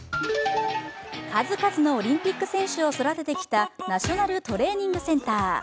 数々のオリンピック選手を育ててきたナショナルトレーニングセンター。